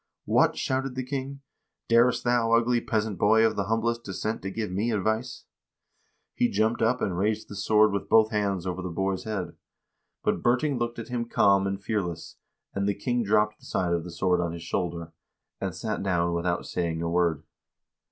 "What!" shouted the king, "darest thou ugly peasant boy of the humblest descent to give me advice?" He jumped up and raised the sword with both hands over the boy's 336 HISTORY OF THE NORWEGIAN PEOPLE head. But Birting looked at him calm and fearless, and the king dropped the side of the sword on his shoulder, and sat down without saying a word.